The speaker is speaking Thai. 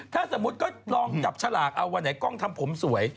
ถ้าสมมุติก็ลองจับฉลากเอาวันไหนกล้องทำผมสวย